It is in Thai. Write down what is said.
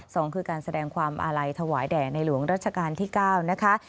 สองคือการแสดงความอาลัยถวายแด่ในหลวงรัชกาลที่๙นะคะ